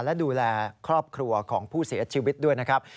และดูแลครอบครัวของผู้เสียชีวิตด้วยนะครับ